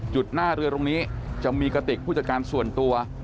หน้าเรือตรงนี้จะมีกระติกผู้จัดการส่วนตัว